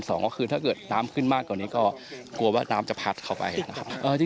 สองก็คือถ้าเกิดน้ำขึ้นมากกว่านี้ก็กลัวว่าน้ำจะพัดเข้าไปนะครับ